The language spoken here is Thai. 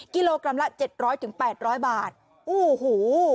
กิโลกรัมละ๗๐๐๘๐๐บาทโอ้โห